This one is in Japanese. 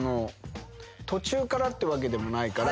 途中からってわけでもないから。